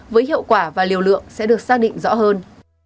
với hiệu quả và liều lượng sẽ được xác định rõ hơn